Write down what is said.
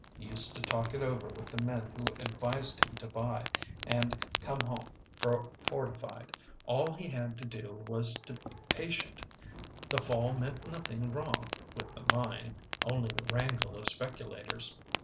He used to talk it over with the men who advised him to buy, and come home fortified. All he had to do was to be patient; the fall meant nothing wrong with the mine, only the wrangle of speculators.